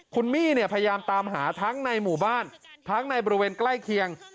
คุณมี่เนี่ยพยายามตามหาทั้งในหมู่บ้านทั้งในบริเวณใกล้เคียง